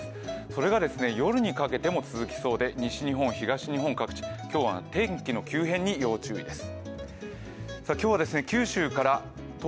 それが夜にかけても続きそうで西日本、東日本各地、今日は天気の急変に要注意です。